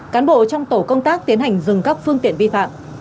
cán bộ trong tổ công tác tiến hành dừng các phương tiện vi phạm